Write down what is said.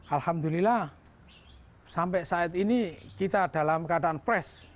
alhamdulillah sampai saat ini kita dalam keadaan fresh